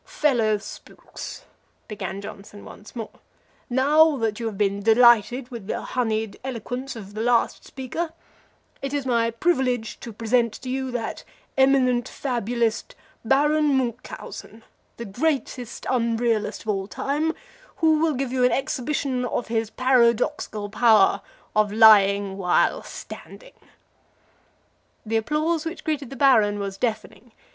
"Fellow spooks," began Johnson once more, "now that you have been delighted with the honeyed eloquence of the last speaker, it is my privilege to present to you that eminent fabulist Baron Munchausen, the greatest unrealist of all time, who will give you an exhibition of his paradoxical power of lying while standing." The applause which greeted the Baron was deafening.